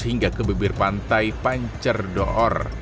hingga ke bibir pantai pancerdoor